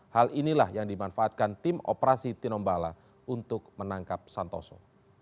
hal inilah yang dimanfaatkan tim operasi tinombala untuk menangkap santoso